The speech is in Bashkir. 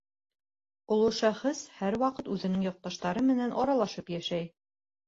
Оло шәхес һәр ваҡыт үҙенең яҡташтары менән аралашып йәшәй.